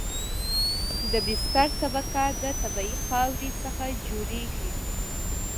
د بستر طبقه د طبیعي خاورې څخه جوړیږي